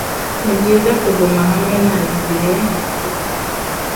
Nibyiza kuguma hamwe na igihe gito.